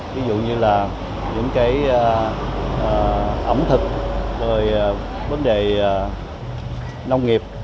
ví dụ như là những cái ẩm thực vấn đề nông nghiệp